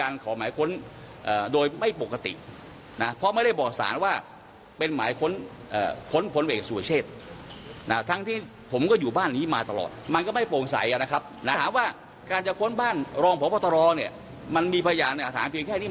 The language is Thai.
รองผัวบ่อตรอเนี่ยมันมีพยานในอาถารณ์เพียงแค่นี้